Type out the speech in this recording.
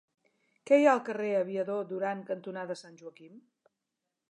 Què hi ha al carrer Aviador Durán cantonada Sant Joaquim?